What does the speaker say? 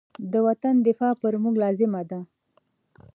د وطن دفاع پر موږ لازمه ده.